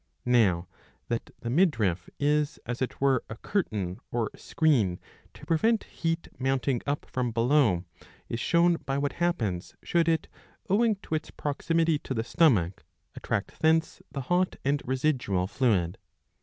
Now that the midriff is as it were a curtain or screen to prevent heat mounting up from below, is shown by what happens, should it, owing to its proximity to the stomach, attract thence the hot and residual fluid.